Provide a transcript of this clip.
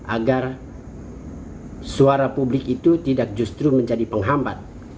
agar suara publik itu tidak justru menjadi penghambat